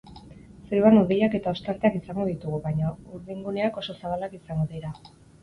Zeruan hodeiak eta ostarteak izango ditugu, baina urdinguneak oso zabalak izango dira.